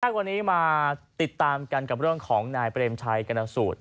วันนี้มาติดตามกันกับเรื่องของนายเปรมชัยกรณสูตร